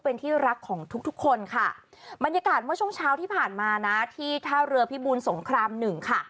บรรยากาศเมื่อช่องเช้าที่ผ่านมาที่ท่าเรือพิบูนสงครามหนึ่ง